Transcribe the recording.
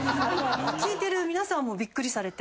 聞いてる皆さんもびっくりされて。